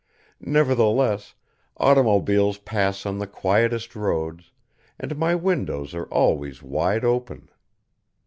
Nevertheless, automobiles pass on the quietest roads, and my windows are always wide open.